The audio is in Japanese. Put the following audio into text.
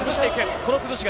この崩しが。